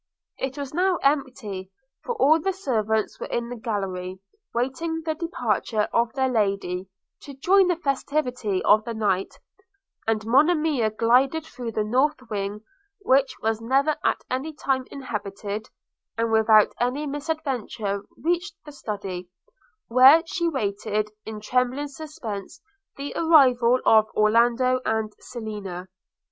It was now empty, for all the servants were in the gallery, waiting the departure of their Lady, to join the festivity of the night; and Monimia glided through the north wing, which was never at any time inhabited, and without any misadventure reached the Study, where she waited in trembling suspense the arrival or Orlando and Selina.